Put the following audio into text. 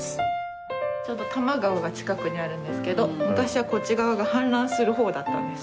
ちょうど多摩川が近くにあるんですけど昔はこっち側がはん濫する方だったんですよ。